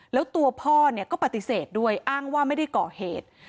แล้วตัวพ่อก็ปฏิเสธด้วยอ้างว่าไม่ได้ก่อเหตุ